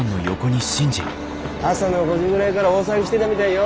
朝の５時ぐらいがら大騒ぎしてだみだいよ。